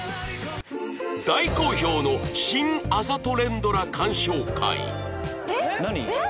大好評の新あざと連ドラ鑑賞会えっ？誰？